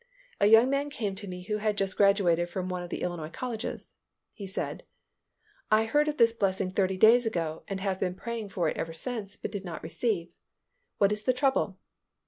A young man came to me who had just graduated from one of the Illinois colleges. He said, "I heard of this blessing thirty days ago and have been praying for it ever since but do not receive. What is the trouble?"